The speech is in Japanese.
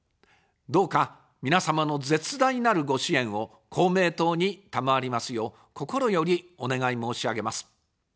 どうか皆様の絶大なるご支援を公明党に賜りますよう、心よりお願い申し上げます。